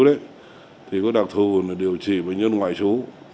bệnh viện châm cứu có đặc thù điều trị bệnh nhân ngoại trú